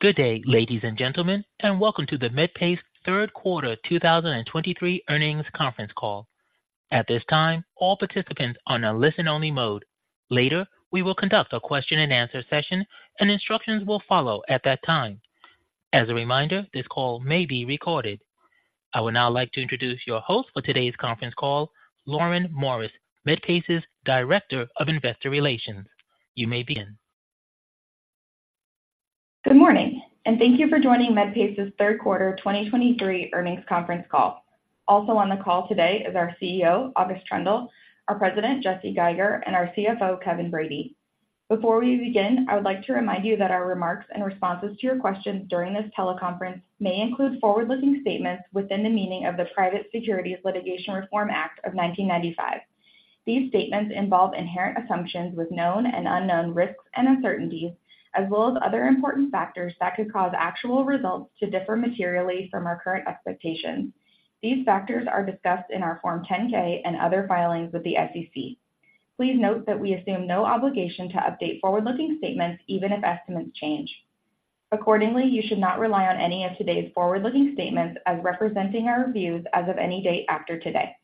Good day, ladies and gentlemen, and welcome to the Medpace third quarter 2023 earnings conference call. At this time, all participants are on a listen-only mode. Later, we will conduct a question-and-answer session, and instructions will follow at that time. As a reminder, this call may be recorded. I would now like to introduce your host for today's conference call, Lauren Morris, Medpace's Director of Investor Relations. You may begin. Good morning, and thank you for joining Medpace's third quarter 2023 earnings conference call. Also on the call today is our CEO, August Troendle, our President, Jesse Geiger, and our CFO, Kevin Brady. Before we begin, I would like to remind you that our remarks and responses to your questions during this teleconference may include forward-looking statements within the meaning of the Private Securities Litigation Reform Act of 1995. These statements involve inherent assumptions with known and unknown risks and uncertainties, as well as other important factors that could cause actual results to differ materially from our current expectations. These factors are discussed in our Form 10-K and other filings with the SEC. Please note that we assume no obligation to update forward-looking statements, even if estimates change. Accordingly, you should not rely on any of today's forward-looking statements as representing our views as of any date after today.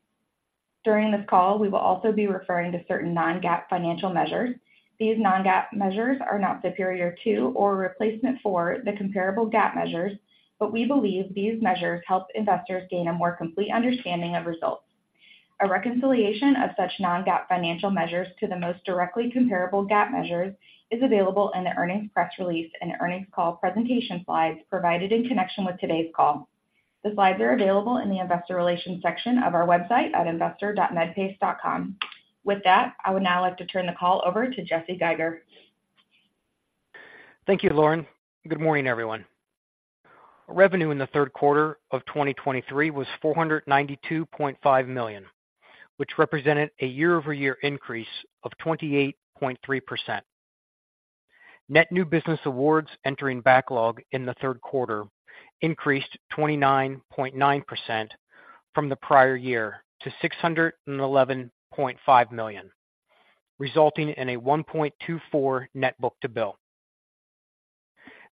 During this call, we will also be referring to certain non-GAAP financial measures. These non-GAAP measures are not superior to or replacement for the comparable GAAP measures, but we believe these measures help investors gain a more complete understanding of results. A reconciliation of such non-GAAP financial measures to the most directly comparable GAAP measures is available in the earnings press release and earnings call presentation slides provided in connection with today's call. The slides are available in the Investor Relations section of our website at investor.medpace.com. With that, I would now like to turn the call over to Jesse Geiger. Thank you, Lauren. Good morning, everyone. Revenue in the third quarter of 2023 was $492.5 million, which represented a year-over-year increase of 28.3%. Net new business awards entering backlog in the third quarter increased 29.9% from the prior year to $611.5 million, resulting in a 1.24 net book-to-bill.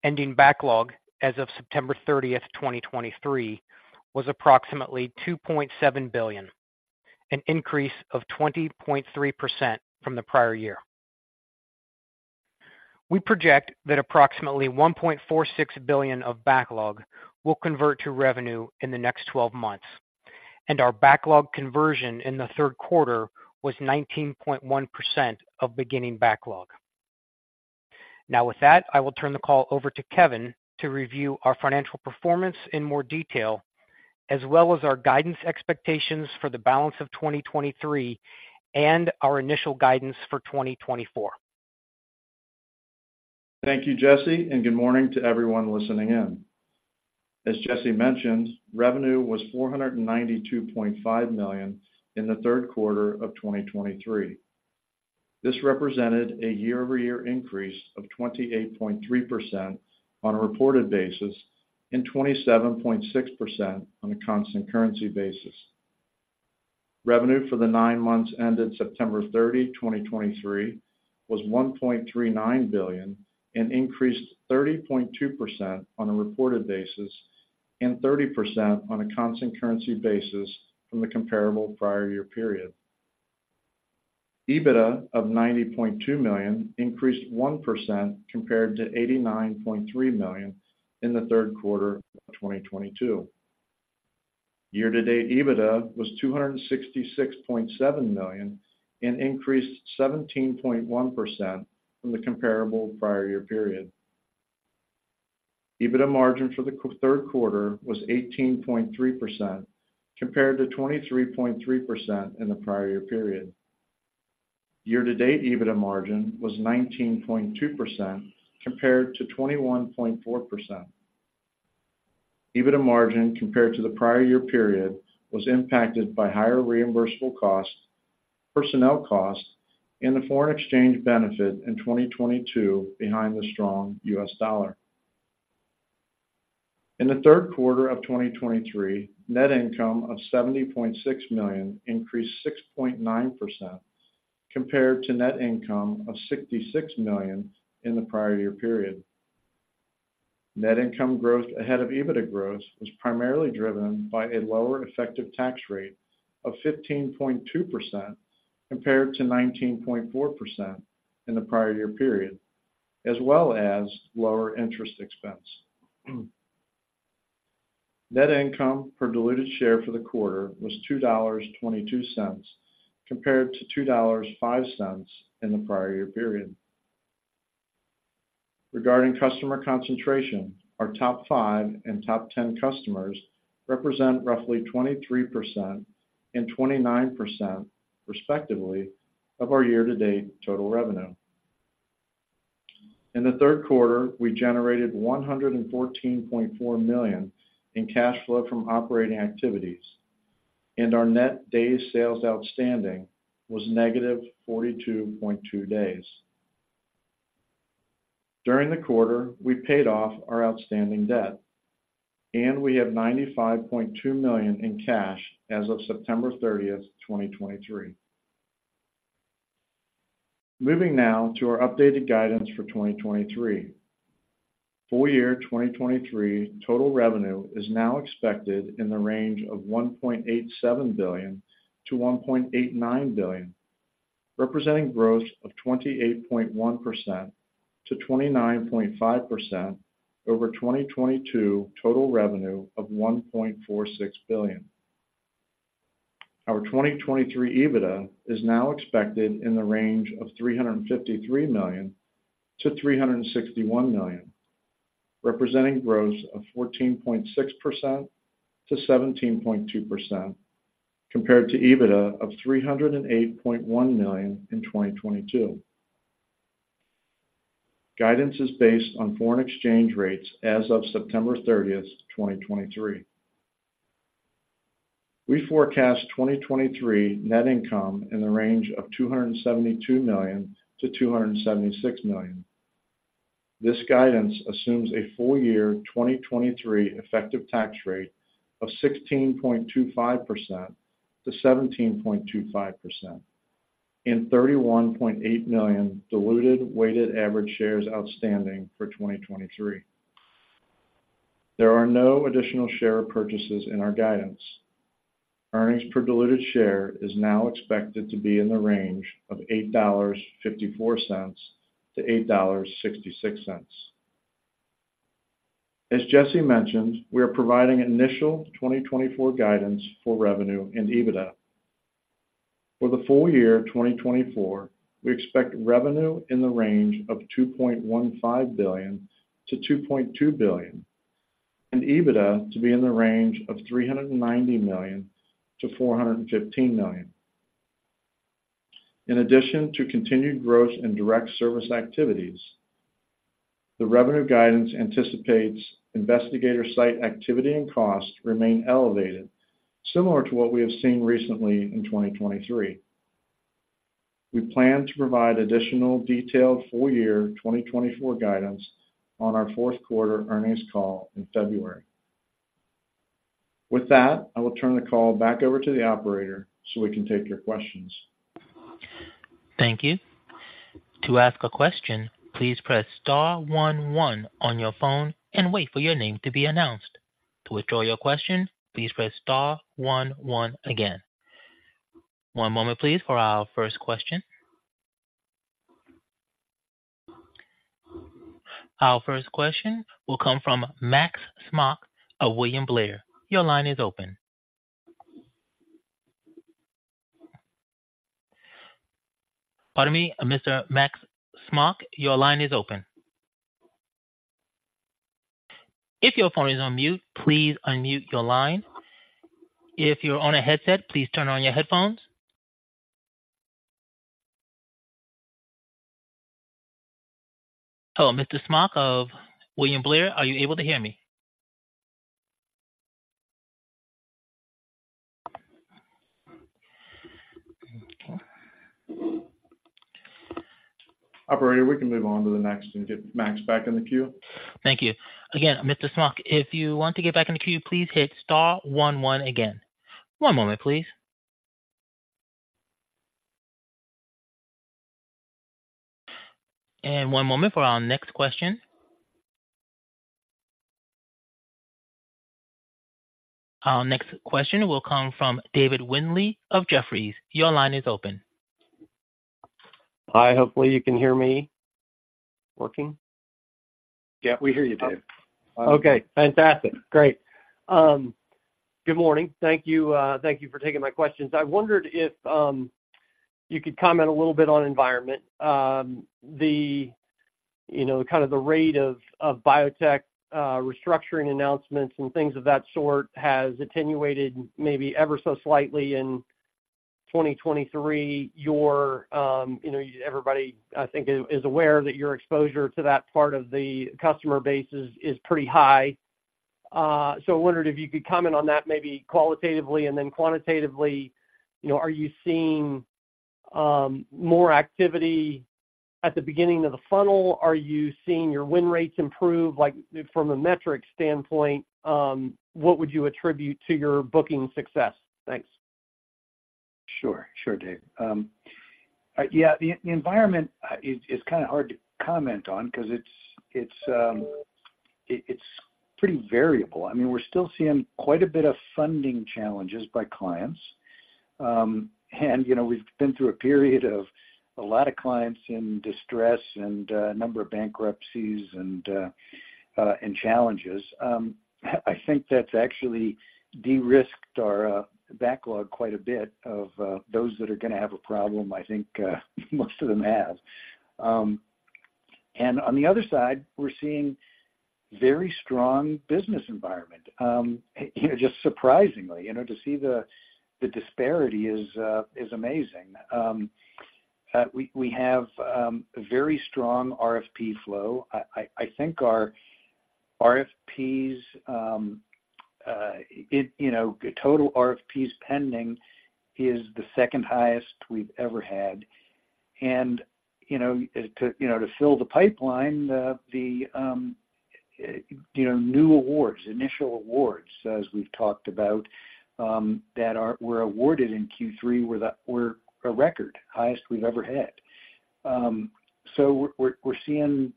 Ending backlog as of September 30th, 2023, was approximately $2.7 billion, an increase of 20.3% from the prior year. We project that approximately $1.46 billion of backlog will convert to revenue in the next twelve months, and our backlog conversion in the third quarter was 19.1% of beginning backlog. Now, with that, I will turn the call over to Kevin to review our financial performance in more detail, as well as our guidance expectations for the balance of 2023 and our initial guidance for 2024. Thank you, Jesse, and good morning to everyone listening in. As Jesse mentioned, revenue was $492.5 million in the third quarter of 2023. This represented a year-over-year increase of 28.3% on a reported basis and 27.6% on a constant currency basis. Revenue for the nine months ended September 30th, 2023, was $1.39 billion and increased 30.2% on a reported basis and 30% on a constant currency basis from the comparable prior year period. EBITDA of $90.2 million increased 1% compared to $89.3 million in the third quarter of 2022. Year-to-date EBITDA was $266.7 million and increased 17.1% from the comparable prior year period. EBITDA margin for the third quarter was 18.3%, compared to 23.3% in the prior year period. Year-to-date EBITDA margin was 19.2% compared to 21.4%. EBITDA margin compared to the prior year period was impacted by higher reimbursable costs, personnel costs, and the foreign exchange benefit in 2022 behind the strong US dollar. In the third quarter of 2023, net income of $70.6 million increased 6.9% compared to net income of $66 million in the prior year period. Net income growth ahead of EBITDA growth was primarily driven by a lower effective tax rate of 15.2%, compared to 19.4% in the prior year period, as well as lower interest expense. Net income per diluted share for the quarter was $2.22, compared to $2.05 in the prior year period. Regarding customer concentration, our top five and top ten customers represent roughly 23% and 29%, respectively, of our year-to-date total revenue. In the third quarter, we generated $114.4 million in cash flow from operating activities, and our Net Days Sales Outstanding was -42.2 days. During the quarter, we paid off our outstanding debt, and we have $95.2 million in cash as of September 30th, 2023. Moving now to our updated guidance for 2023. Full year 2023 total revenue is now expected in the range of $1.87 billion-$1.89 billion, representing growth of 28.1%-29.5% over 2022 total revenue of $1.46 billion. Our 2023 EBITDA is now expected in the range of $353 million-$361 million, representing growth of 14.6%-17.2% compared to EBITDA of $308.1 million in 2022. Guidance is based on foreign exchange rates as of September 30th, 2023. We forecast 2023 net income in the range of $272 million-$276 million. This guidance assumes a full year 2023 effective tax rate of 16.25%-17.25% and 31.8 million diluted weighted average shares outstanding for 2023. There are no additional share purchases in our guidance. Earnings per diluted share is now expected to be in the range of $8.54-$8.66. As Jesse mentioned, we are providing initial 2024 guidance for revenue and EBITDA. For the full year 2024, we expect revenue in the range of $2.15 billion-$2.2 billion and EBITDA to be in the range of $390 million-$415 million. In addition to continued growth in direct service activities, the revenue guidance anticipates investigator site activity and costs remain elevated, similar to what we have seen recently in 2023. We plan to provide additional detailed full year 2024 guidance on our fourth quarter earnings call in February. With that, I will turn the call back over to the operator, so we can take your questions. Thank you. To ask a question, please press star one, one on your phone and wait for your name to be announced. To withdraw your question, please press star one, one again. One moment, please, for our first question. Our first question will come from Max Smock of William Blair. Your line is open. Pardon me, Mr. Max Smock, your line is open. If your phone is on mute, please unmute your line. If you're on a headset, please turn on your headphones. Hello, Mr. Smock of William Blair, are you able to hear me? Operator, we can move on to the next and get Max back in the queue. Thank you. Again, Mr. Smock, if you want to get back in the queue, please hit star one, one again. One moment, please. One moment for our next question. Our next question will come from Dave Windley of Jefferies. Your line is open. Hi, hopefully, you can hear me working. Yeah, we hear you, Dave. Okay, fantastic. Great. Good morning. Thank you, thank you for taking my questions. I wondered if you could comment a little bit on environment. The, you know, kind of the rate of biotech restructuring announcements and things of that sort has attenuated, maybe ever so slightly in 2023. Your, you know, everybody, I think, is aware that your exposure to that part of the customer base is pretty high. So I wondered if you could comment on that, maybe qualitatively and then quantitatively. You know, are you seeing more activity at the beginning of the funnel? Are you seeing your win rates improve? Like, from a metric standpoint, what would you attribute to your booking success? Thanks. Sure. Sure, Dave. Yeah, the environment is kind of hard to comment on because it's pretty variable. I mean, we're still seeing quite a bit of funding challenges by clients. And, you know, we've been through a period of a lot of clients in distress and a number of bankruptcies and challenges. I think that's actually de-risked our backlog quite a bit of those that are going to have a problem. I think most of them have. And on the other side, we're seeing very strong business environment, you know, just surprisingly. You know, to see the disparity is amazing. We have a very strong RFP flow. I think our RFPs, it you know, total RFPs pending is the second highest we've ever had. And, you know, to fill the pipeline. You know, new awards, initial awards, as we've talked about, that were awarded in Q3, were a record, highest we've ever had. So we're seeing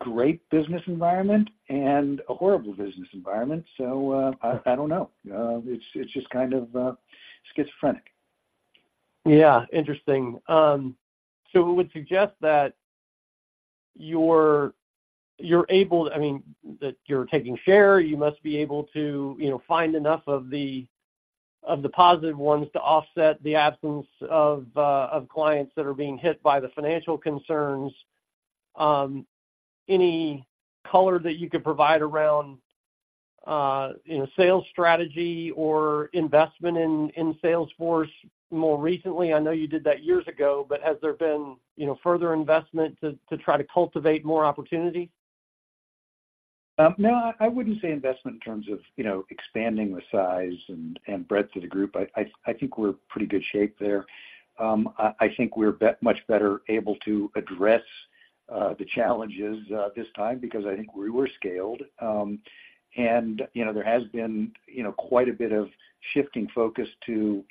great business environment and a horrible business environment, so, I don't know. It's just kind of schizophrenic. Yeah. Interesting. So it would suggest that you're able—I mean, that you're taking share. You must be able to, you know, find enough of the positive ones to offset the absence of clients that are being hit by the financial concerns. Any color that you could provide around, you know, sales strategy or investment in sales force more recently? I know you did that years ago, but has there been, you know, further investment to try to cultivate more opportunity? No, I wouldn't say investment in terms of, you know, expanding the size and breadth of the group. I think we're in pretty good shape there. I think we're much better able to address the challenges this time because I think we were scaled. And, you know, there has been, you know, quite a bit of shifting focus to,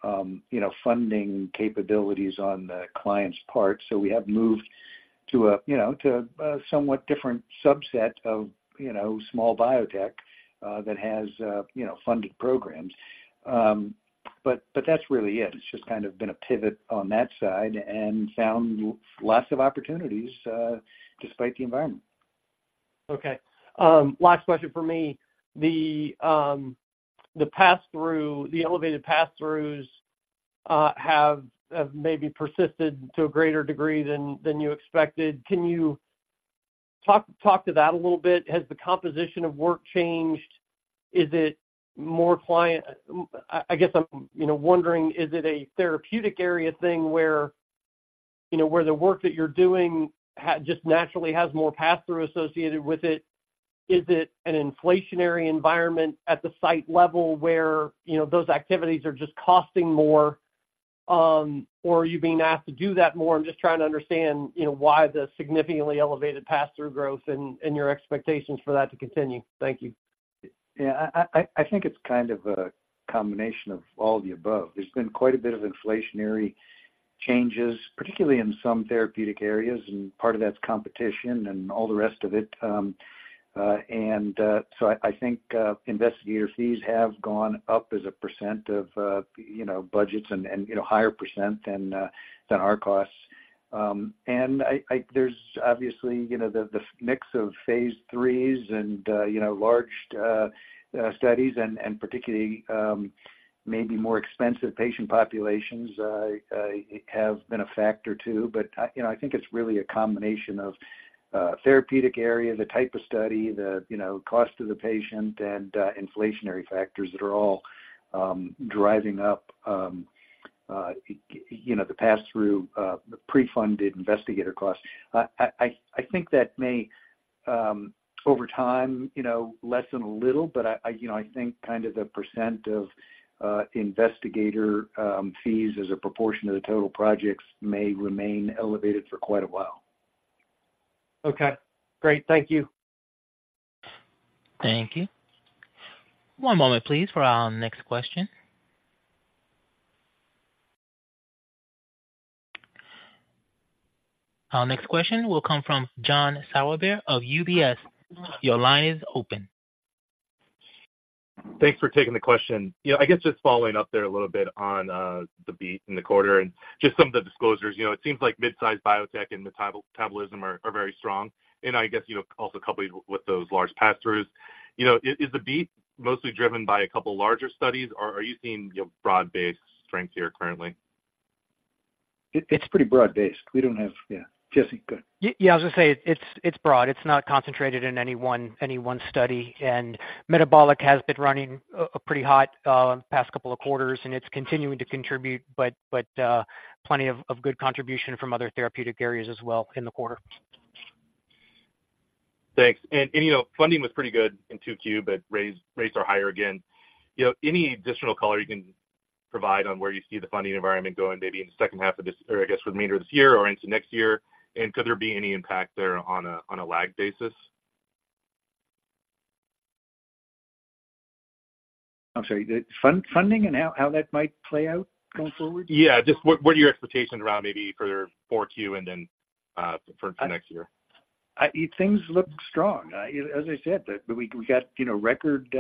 you know, funding capabilities on the client's part. So we have moved to a, you know, to a somewhat different subset of, you know, small biotech that has, you know, funded programs. But that's really it. It's just kind of been a pivot on that side and found lots of opportunities despite the environment. Okay. Last question for me. The, the pass-through, the elevated pass-throughs, have, have maybe persisted to a greater degree than, than you expected. Can you talk, talk to that a little bit? Has the composition of work changed? Is it more client...? I, I guess I'm, you know, wondering, is it a therapeutic area thing where, you know, where the work that you're doing has just naturally has more pass-through associated with it? Is it an inflationary environment at the site level where, you know, those activities are just costing more, or are you being asked to do that more? I'm just trying to understand, you know, why the significantly elevated pass-through growth and, and your expectations for that to continue. Thank you. Yeah, I think it's kind of a combination of all the above. There's been quite a bit of inflationary changes, particularly in some therapeutic areas, and part of that's competition and all the rest of it. I think investigator fees have gone up as a percent of, you know, budgets and, you know, higher percent than our costs. I think there's obviously, you know, the mix of phase threes and, you know, large studies and, particularly, maybe more expensive patient populations have been a factor, too. But, you know, I think it's really a combination of, therapeutic area, the type of study, the, you know, cost to the patient and, inflationary factors that are all, driving up, you know, the pass-through, the pre-funded investigator costs. I think that may, over time, you know, lessen a little, but I, you know, I think kind of the percent of, investigator, fees as a proportion of the total projects may remain elevated for quite a while. Okay, great. Thank you. Thank you. One moment, please, for our next question. Our next question will come from John Sourbeer of UBS. Your line is open. Thanks for taking the question. You know, I guess just following up there a little bit on the beat in the quarter and just some of the disclosures. You know, it seems like mid-size biotech and metabolism are very strong, and I guess, you know, also coupled with those large pass-throughs. You know, is the beat mostly driven by a couple larger studies, or are you seeing, you know, broad-based strength here currently? It's pretty broad-based. We don't have... Yeah. Jesse, go ahead. Yeah, I was gonna say it's broad. It's not concentrated in any one study, and metabolic has been running pretty hot the past couple of quarters, and it's continuing to contribute, but plenty of good contribution from other therapeutic areas as well in the quarter. Thanks. And you know, funding was pretty good in 2Q, but raise rates are higher again. You know, any additional color you can provide on where you see the funding environment going, maybe in the second half of this, or I guess, for the remainder of this year or into next year? And could there be any impact there on a lag basis? I'm sorry, the funding and how that might play out going forward? Yeah, just what, what are your expectations around maybe for 4Q and then, for next year? Things look strong. As I said, we got, you know, record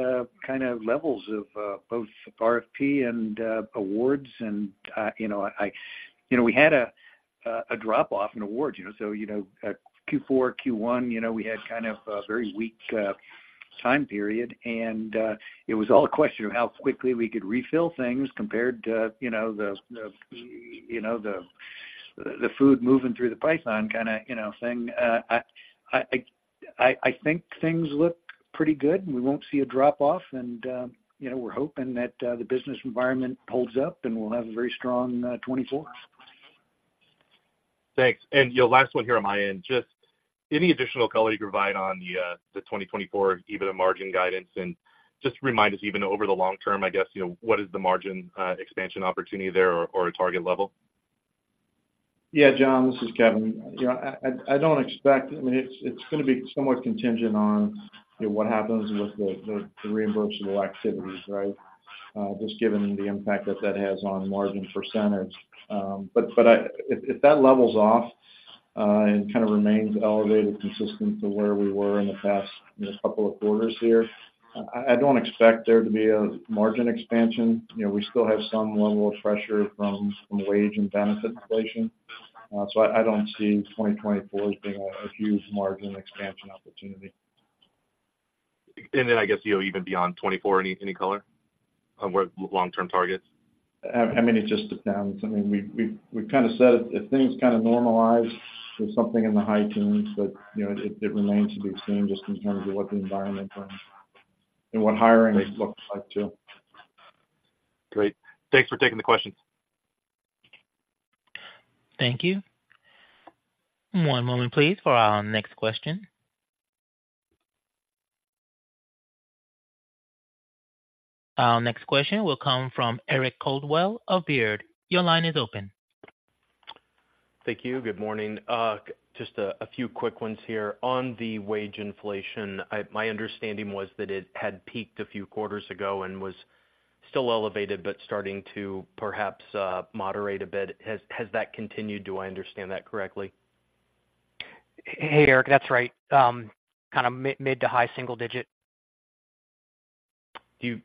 kind of levels of both RFP and awards, and you know, we had a drop-off in awards, you know, so you know, Q4, Q1, you know, we had kind of a very weak time period, and it was all a question of how quickly we could refill things compared to the food moving through the python kind of thing. I think things look pretty good, and we won't see a drop-off, and you know, we're hoping that the business environment holds up, and we'll have a very strong 2024. Thanks. And, you know, last one here on my end. Just any additional color you can provide on the 2024, even the margin guidance, and just remind us, even over the long term, I guess, you know, what is the margin expansion opportunity there or a target level? Yeah, John, this is Kevin. You know, I don't expect-- I mean, it's gonna be somewhat contingent on, you know, what happens with the reimbursable activities, right? Just given the impact that that has on margin percentage. But I-- if that levels off and kind of remains elevated, consistent to where we were in the past, you know, couple of quarters here, I don't expect there to be a margin expansion. You know, we still have some level of pressure from wage and benefit inflation. So I don't see 2024 as being a huge margin expansion opportunity. Then I guess, you know, even beyond 2024, any, any color on where long-term targets? I mean, it just depends. I mean, we've kind of said it, if things kind of normalize to something in the high teens, but, you know, it remains to be seen just in terms of what the environment and what hiring looks like, too. Great. Thanks for taking the questions. Thank you. One moment, please, for our next question. Our next question will come from Eric Coldwell of Baird. Your line is open. Thank you. Good morning. Just a few quick ones here. On the wage inflation, my understanding was that it had peaked a few quarters ago and was still elevated, but starting to perhaps moderate a bit. Has that continued? Do I understand that correctly? Hey, Eric, that's right. Kind of mid- to high-single-digit. What, Jesse,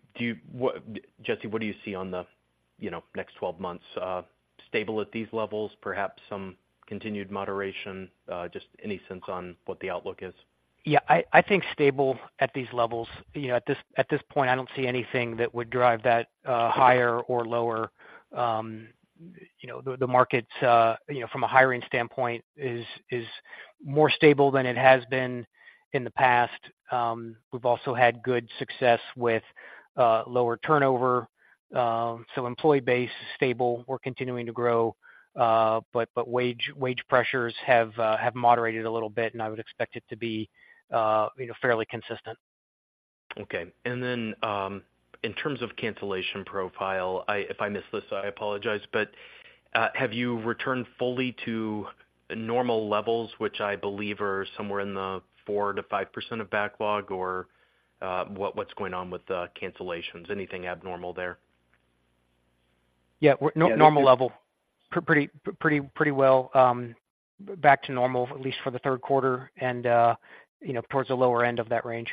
what do you see on the, you know, next 12 months? Stable at these levels, perhaps some continued moderation? Just any sense on what the outlook is. Yeah, I, I think stable at these levels. You know, at this, at this point, I don't see anything that would drive that, higher or lower. You know, the, the markets, you know, from a hiring standpoint, is, is more stable than it has been in the past. We've also had good success with, lower turnover. So employee base is stable. We're continuing to grow, but, but wage, wage pressures have, have moderated a little bit, and I would expect it to be, you know, fairly consistent. Okay. And then, in terms of cancellation profile, if I missed this, I apologize, but, have you returned fully to normal levels, which I believe are somewhere in the 4%-5% of backlog, or, what's going on with the cancellations? Anything abnormal there? Yeah, we're normal level. Pretty well back to normal, at least for the third quarter and, you know, towards the lower end of that range.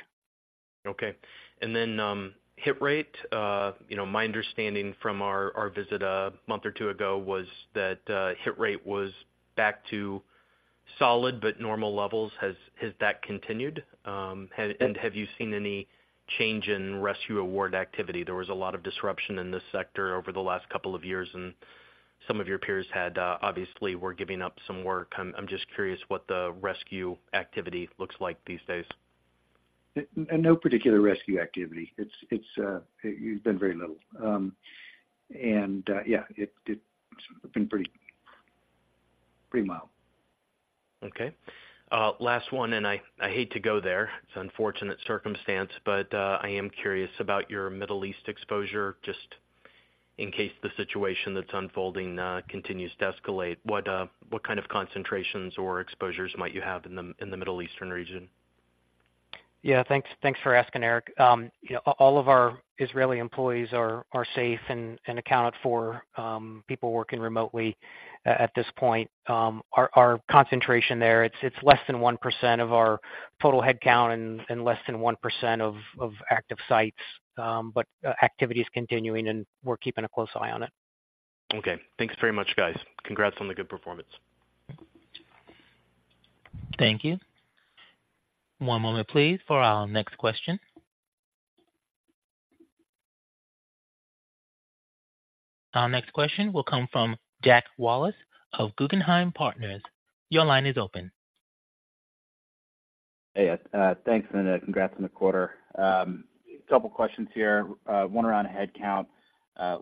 Okay. And then, hit rate, you know, my understanding from our visit a month or two ago was that hit rate was back to solid, but normal levels. Has that continued? And have you seen any change in rescue award activity? There was a lot of disruption in this sector over the last couple of years, and some of your peers had, obviously, were giving up some work. I'm just curious what the rescue activity looks like these days. No particular rescue activity. It's been very little. And yeah, it's been pretty mild. Okay. Last one, and I hate to go there. It's unfortunate circumstance, but I am curious about your Middle East exposure, just in case the situation that's unfolding continues to escalate. What kind of concentrations or exposures might you have in the Middle Eastern region? Yeah. Thanks, thanks for asking, Eric. You know, all of our Israeli employees are safe and accounted for. People working remotely at this point. Our concentration there, it's less than 1% of our total headcount and less than 1% of active sites, but activity is continuing, and we're keeping a close eye on it. Okay. Thanks very much, guys. Congrats on the good performance. Thank you. One moment, please, for our next question. Our next question will come from Jack Wallace of Guggenheim Partners. Your line is open. Hey, thanks, and congrats on the quarter. Couple questions here. One around headcount.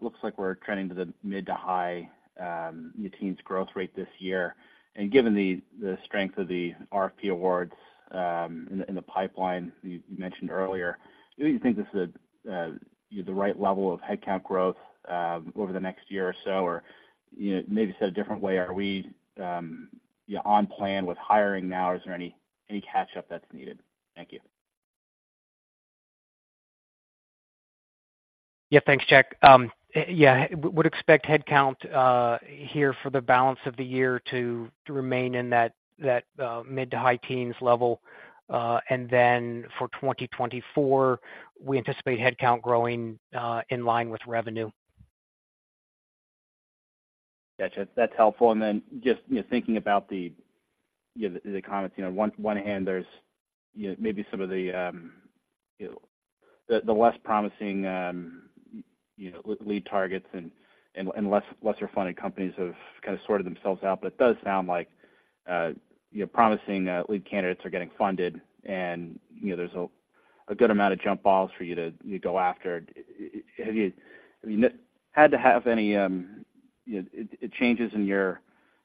Looks like we're trending to the mid- to high-teens growth rate this year. And given the strength of the RFP awards in the pipeline you mentioned earlier, do you think this is the right level of headcount growth over the next year or so? Or, you know, maybe said a different way, are we yeah on plan with hiring now? Is there any catch-up that's needed? Thank you. Yeah. Thanks, Jack. Yeah, would expect headcount here for the balance of the year to remain in that mid- to high-teens level. And then for 2024, we anticipate headcount growing in line with revenue. Gotcha. That's helpful. And then just, you know, thinking about the, you know, the comments. You know, on the one hand there's, you know, maybe some of the, you know, the less promising, you know, lead targets and lesser funded companies have kind of sorted themselves out. But it does sound like, you know, promising lead candidates are getting funded, and, you know, there's a good amount of jump balls for you to go after. Have you, I mean, had to have any, you know, changes in your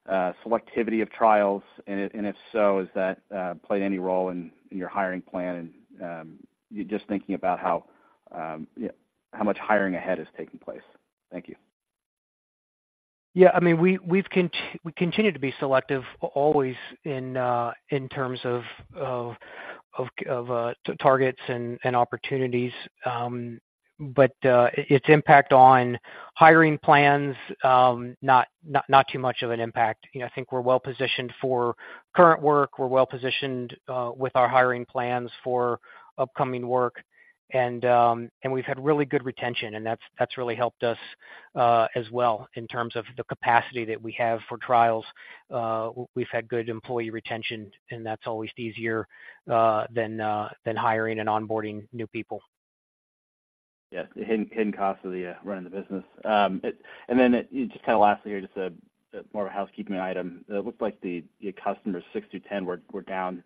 selectivity of trials, and if so, has that played any role in your hiring plan? And just thinking about how much hiring ahead is taking place. Thank you. Yeah, I mean, we continue to be selective always in terms of targets and opportunities. But its impact on hiring plans not too much of an impact. You know, I think we're well-positioned for current work. We're well-positioned with our hiring plans for upcoming work, and we've had really good retention, and that's really helped us as well in terms of the capacity that we have for trials. We've had good employee retention, and that's always easier than hiring and onboarding new people. Yes, the hidden cost of the running the business. It and then just kinda lastly here, just a more of a housekeeping item. It looks like the your customers 6-10 were down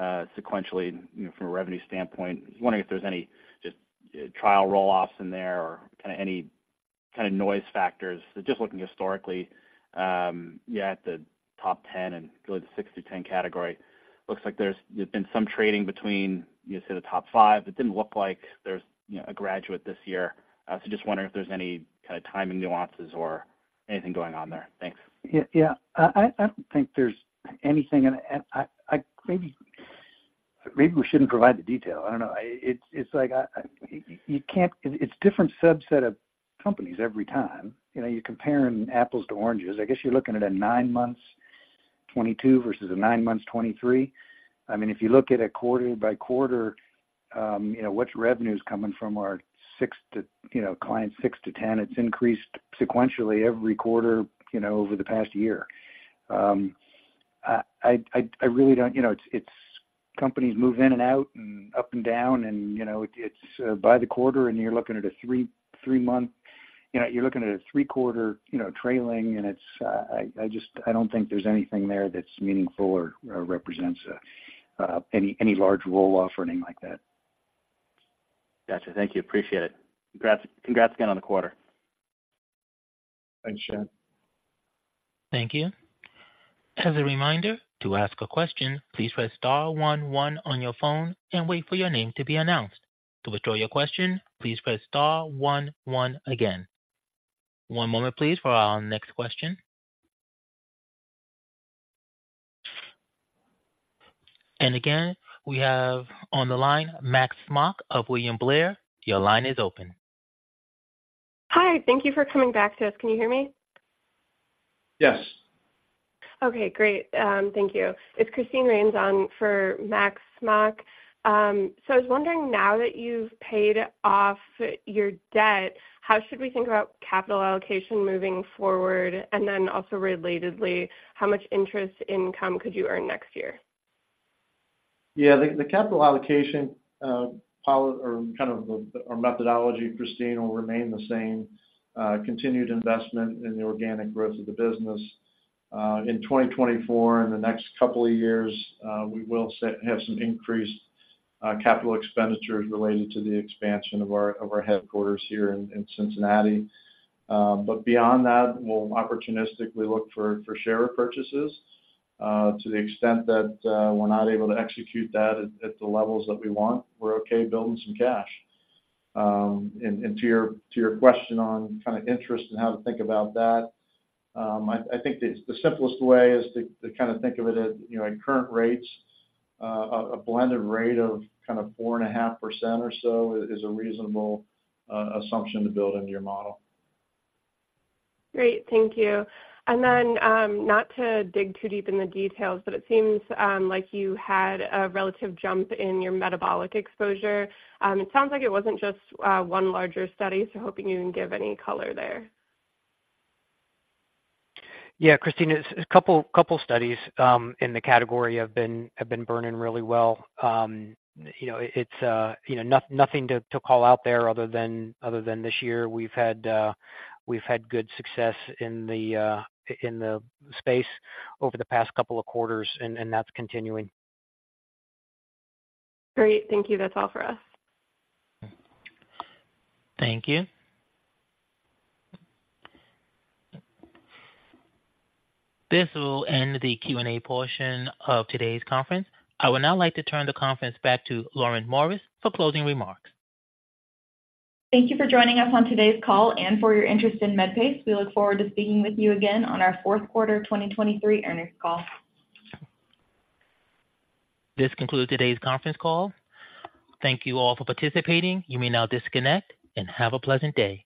sequentially, you know, from a revenue standpoint. Just wondering if there's any just trial roll-offs in there or kinda any kinda noise factors. Just looking historically, yeah, at the top 10 and really the 6-10 category, looks like there's been some trading between, you say, the top five. It didn't look like there's, you know, a graduate this year. So just wondering if there's any kinda timing nuances or anything going on there. Thanks. Yeah. Yeah. I don't think there's anything, and I maybe we shouldn't provide the detail. I don't know. It's like you can't... It's a different subset of companies every time. You know, you're comparing apples to oranges. I guess you're looking at a nine months 2022 versus a nine months 2023. I mean, if you look at it quarter by quarter, you know, which revenue is coming from our sixth to, you know, client six to 10, it's increased sequentially every quarter, you know, over the past year. I really don't, you know, it's companies move in and out and up and down, and, you know, it's by the quarter, and you're looking at a three-month, you know, you're looking at a three-quarter, you know, trailing, and it's, I just don't think there's anything there that's meaningful or represents any large roll-off or anything like that. Gotcha. Thank you. Appreciate it. Congrats, congrats again on the quarter. Thanks, Jack. Thank you. As a reminder, to ask a question, please press star one, one on your phone and wait for your name to be announced. To withdraw your question, please press star one, one again. One moment, please, for our next question. And again, we have on the line, Max Smock of William Blair. Your line is open. Hi, thank you for coming back to us. Can you hear me? Yes. Okay, great. Thank you. It's Christine Rains on for Max Smock. So I was wondering now that you've paid off your debt, how should we think about capital allocation moving forward? And then also relatedly, how much interest income could you earn next year? Yeah, the capital allocation policy or kind of our methodology, Christine, will remain the same, continued investment in the organic growth of the business. In 2024, in the next couple of years, we will have some increased capital expenditures related to the expansion of our headquarters here in Cincinnati. But beyond that, we'll opportunistically look for share purchases. To the extent that we're not able to execute that at the levels that we want, we're okay building some cash. And to your question on kinda interest and how to think about that, I think the simplest way is to kinda think of it as, you know, in current rates, a blended rate of kinda 4.5% or so is a reasonable assumption to build into your model. Great. Thank you. And then, not to dig too deep in the details, but it seems like you had a relative jump in your metabolic exposure. It sounds like it wasn't just one larger study, so hoping you can give any color there. Yeah, Christine, a couple studies in the category have been burning really well. You know, it's you know, nothing to call out there other than this year, we've had good success in the space over the past couple of quarters, and that's continuing. Great. Thank you. That's all for us. Thank you. This will end the Q&A portion of today's conference. I would now like to turn the conference back to Lauren Morris for closing remarks. Thank you for joining us on today's call and for your interest in Medpace. We look forward to speaking with you again on our fourth quarter 2023 earnings call. This concludes today's conference call. Thank you all for participating. You may now disconnect and have a pleasant day.